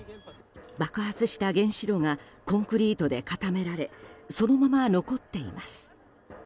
爆発した原子炉がコンクリートで固められそのまま残っています。